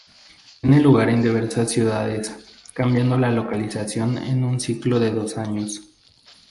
Tiene lugar en diversas ciudades, cambiando la localización en un ciclo de dos años.